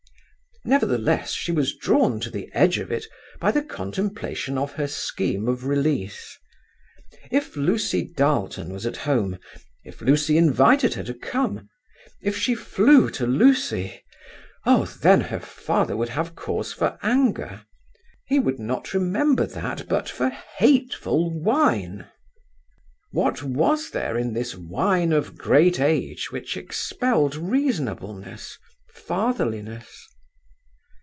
Nevertheless, she was drawn to the edge of it by the contemplation of her scheme of release. If Lucy Darleton was at home; if Lucy invited her to come: if she flew to Lucy: oh! then her father would have cause for anger. He would not remember that but for hateful wine! ... What was there in this wine of great age which expelled reasonableness, fatherliness?